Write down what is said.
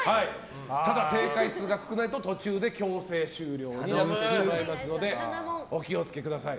ただ、正解数が少ないと途中で強制終了になってしまいますのでお気を付けください。